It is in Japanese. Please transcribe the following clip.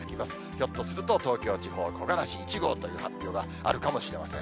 ひょっとすると、東京地方、木枯らし１号という発表があるかもしれません。